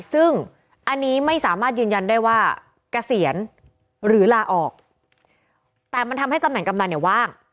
ซึ่งอันนี้ไม่สามารถยืนยันได้ว่าเกษียณหรือลาออกแต่มันทำให้ตำแหนกำนันเนี่ยว่าง